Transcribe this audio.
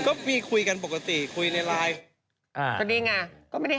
ก็มีห่างได้เหิญ